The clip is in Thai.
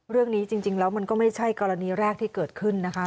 เรื่องนี้จริงแล้วมันก็ไม่ใช่กรณีแรกที่เกิดขึ้นนะคะ